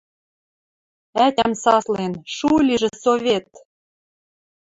Ӓтям саслен: «Шу лижӹ Совет!»